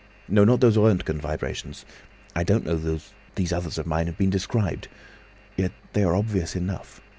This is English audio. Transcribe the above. No, not those Röntgen vibrations—I don't know that these others of mine have been described. Yet they are obvious enough.